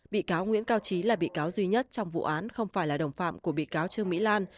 bị cáo nguyễn cao trí là bị cáo duy nhất trong vụ án không phải là đồng phạm của bị cáo trương mỹ lan